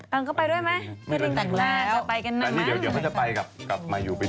แต่งเขาไปด้วยมั้ยเดี๋ยวเขาจะไปกันมากไหม